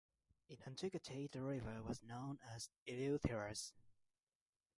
In antiquity the river was known as Eleutherus.